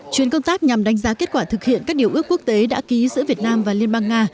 chuyến công tác nhằm đánh giá kết quả thực hiện các điều ước quốc tế đã ký giữa việt nam và liên bang nga